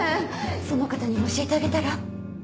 その方に教えてあげたら？